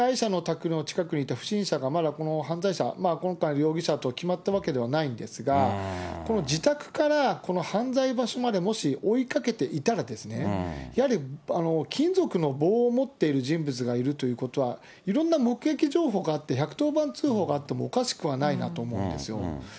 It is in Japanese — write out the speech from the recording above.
この被害者のお宅の近くにいた不審者がまだこの犯罪者、今回の容疑者と決まったわけではないんですが、この自宅から犯罪場所までもし追いかけていたら、やはり金属の棒を持っている人物がいるということは、いろんな目撃情報があって、１１０番通報があってもおかしくはないなと思うんですよ。